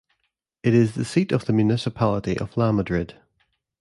It is the seat of the municipality of Lamadrid.